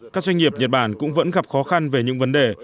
các doanh nghiệp nhật bản cũng vẫn gặp khó khăn về những vấn đề